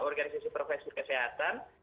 organisasi profesi kesehatan